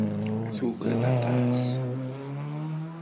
Tugad aṭas.